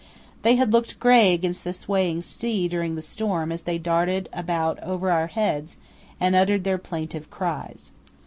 They had looked grey against the swaying sea during the storm as they darted about over our heads and uttered their plaintive cries.